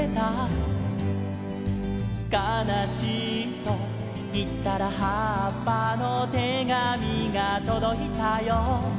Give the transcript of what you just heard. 「かなしいといったらはっぱの手紙がとどいたよ」